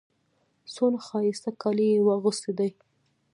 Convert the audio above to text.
څونه ښایسته کالي يې اغوستي دي.